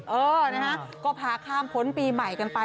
เออนะฮะก็พาข้ามพ้นปีใหม่กันไป